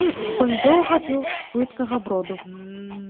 Конь доўга піў з плыткага броду.